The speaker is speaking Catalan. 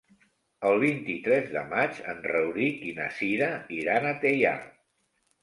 El vint-i-tres de maig en Rauric i na Cira iran a Teià.